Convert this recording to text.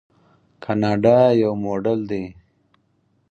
کاناډا یو موډل دی.